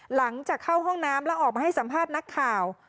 หลังจากเข้าห้องน้ำแล้วออกมาให้สัมภาษณ์นักข่าว